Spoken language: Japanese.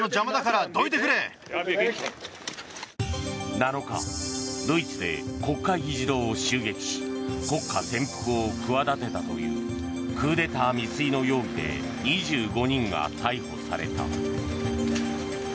７日、ドイツで国会議事堂を襲撃し国家転覆を企てたというクーデター未遂の容疑で２５人が逮捕された。